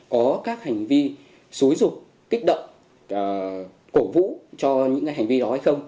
có các hành vi xúi rục kích động cổ vũ cho những hành vi đó hay không